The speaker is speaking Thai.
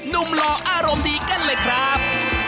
หล่ออารมณ์ดีกันเลยครับ